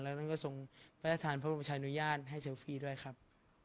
แล้วท่านก็ทรงพระราชทานพระบรมชายุญาตให้เซลฟี่ด้วยครับ